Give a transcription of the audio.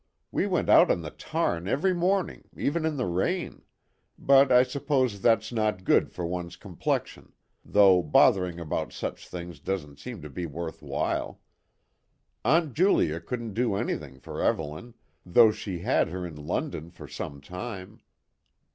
We went out on the tarn every morning, even in the rain; but I suppose that's not good for one's complexion, though bothering about such things doesn't seem to be worth while. Aunt Julia couldn't do anything for Evelyn, though she had her in London for some time.